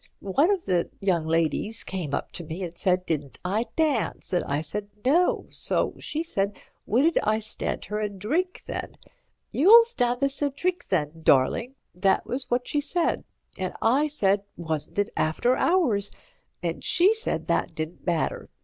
One of the young ladies came up to me and said, didn't I dance, and I said 'No,' so she said wouldn't I stand her a drink then. 'You'll stand us a drink then, darling,' that was what she said, and I said, 'Wasn't it after hours?' and she said that didn't matter.